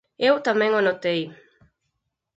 Eu tamén o notei.